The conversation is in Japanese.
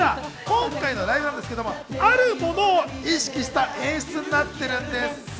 今回のライブなんですが、あるものを意識した演出になっているんです。